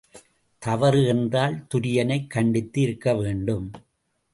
தவறு என்றால் துரி யனைக் கண்டித்து இருக்கவேண்டும்.